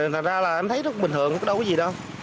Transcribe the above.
thật ra là em thấy rất bình thường có đâu có gì đâu